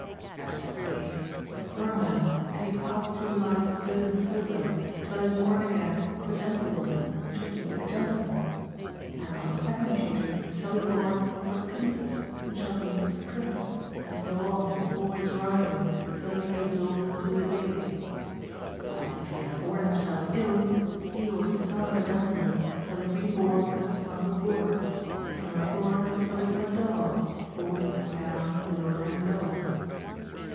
That is to say, a poor man, if he have passed through life good and sober, shall be born aeain of a o entlewoman, and shall be a o entleman : and on a second occasion shall be born of a princess and shall be a prince, and so on, always rising, till he be absorbed into the Deity. But if he have borne himself ill, he who was the son of a gentleman shall be reborn as the son of a boor, and from a boor shall become a dogf, always going down lower and lower.